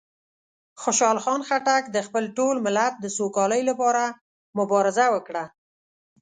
خوشحال خان خټک د خپل ټول ملت د سوکالۍ لپاره مبارزه وکړه.